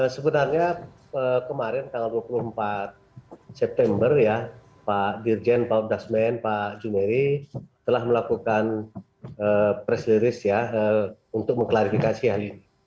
sebenarnya kemarin tanggal dua puluh empat september pak dirjen pak udhasmen pak jumeri telah melakukan presliris untuk mengklarifikasi hal ini